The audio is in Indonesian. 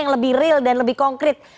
yang lebih real dan lebih konkret